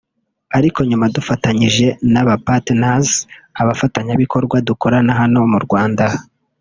Ariko nyuma dufatanyije na ba partners(abafatanyabikorwa) dukorana hano mu Rwanda